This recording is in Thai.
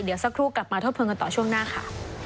เดี๋ยวสักครู่กลับมาทบทวนกันต่อช่วงหน้าค่ะ